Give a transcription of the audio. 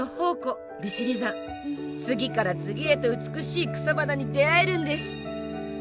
次から次へと美しい草花に出会えるんです！